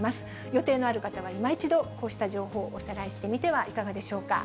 予定のある方は今一度、こうした情報をおさらいしてみてはいかがでしょうか。